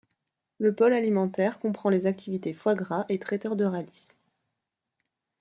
Le pôle alimentaire, comprend les activités foie gras et traiteur d'Euralis.